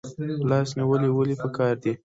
لاس نیوی ولې پکار دی؟